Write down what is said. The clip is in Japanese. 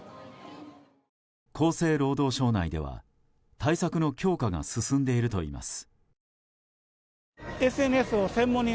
厚生労働省内では対策の強化が進んでいるといいます。